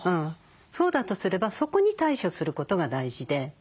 そうだとすればそこに対処することが大事で。